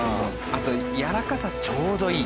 あとやわらかさちょうどいい。